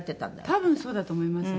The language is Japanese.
多分そうだと思います。